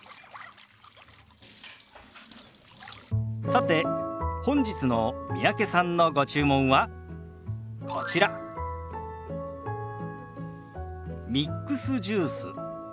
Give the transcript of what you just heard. さて本日の三宅さんのご注文はこちらミックスジュース。